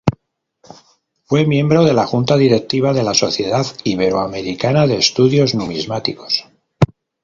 Fue miembro de la Junta Directiva de la Sociedad Ibero-Americana de Estudios Numismáticos.